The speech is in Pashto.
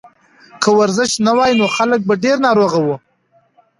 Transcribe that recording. که ورزش نه وای نو خلک به ډېر ناروغه وو.